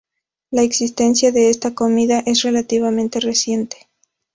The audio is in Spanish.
La existencia de esta comida es relativamente reciente.